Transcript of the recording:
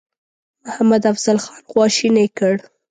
محمدافضل خان خواشینی کړ.